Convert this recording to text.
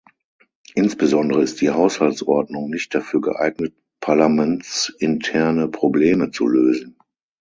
Insbesondere ist die Haushaltsordnung nicht dafür geeignet, parlamentsinterne Probleme zu lösen.